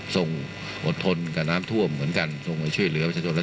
ทรงมีลายพระราชกระแสรับสู่ภาคใต้